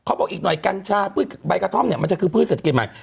บอกอีกหน่อยกัญชาพืชใบกระท่อมเนี่ยมันจะคือพืชเศรษฐกิจใหม่